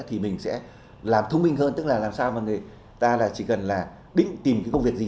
thì mình sẽ làm thông minh hơn tức là làm sao người ta chỉ cần đính tìm công việc gì